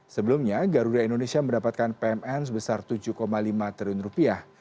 sebelumnya garuda indonesia mendapatkan pmn sebesar tujuh lima triliun rupiah